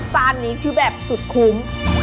จานนี้คือแบบสุดคุ้ม